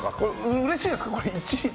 うれしいですか？